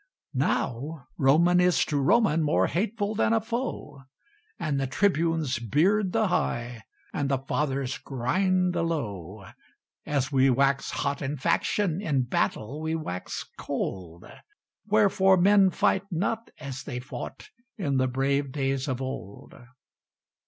Now Roman is to Roman More hateful than a foe, And the Tribunes beard the high, And the Fathers grind the low. As we wax hot in faction, In battle we wax cold: Wherefore men fight not as they fought In the brave days of old.